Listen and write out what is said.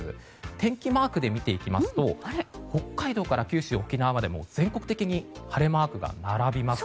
天気マークで見ていきますと北海道から九州・沖縄まで全国的に晴れマークが並びます。